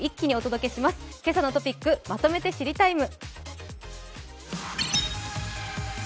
「けさのトピックまとめて知りＴＩＭＥ，」